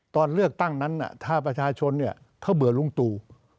ตอนเลือกตั้งนั้นถ้าประชาชนเขาเบื่อลุงตู่